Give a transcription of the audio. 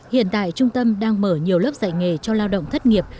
hiện tại trung tâm đang mở nhiều lớp dạy nghề cho lao động thất nghiệp